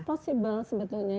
itu mungkin sebetulnya